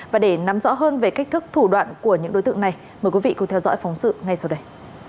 và để nắm rõ hơn về cách thức thủ đoạn của những đối tượng này mời quý vị cùng theo dõi phóng sự ngay sau đây